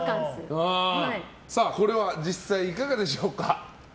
これは実際いかがでしょうか？